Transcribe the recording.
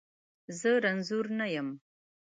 زه رنځور نه یم.